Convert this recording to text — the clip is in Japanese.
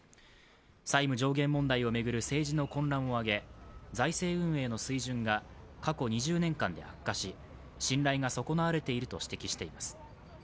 債務上限問題を巡る政治の混乱を挙げ、財政運営の水準が過去２０年間で悪化し、信頼が損なわれていると指摘しています。